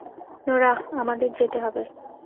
Norah, আমাদের যেতে হবে!